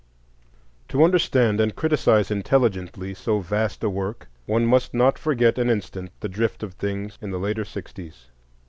To understand and criticise intelligently so vast a work, one must not forget an instant the drift of things in the later sixties.